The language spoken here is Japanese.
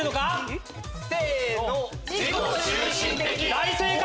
大正解！